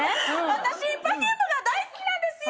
私Ｐｅｒｆｕｍｅが大好きなんですよ。